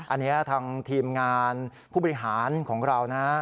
อันนี้ทางทีมงานผู้บริหารของเรานะ